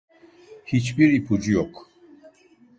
Hiçbir ipucu yok.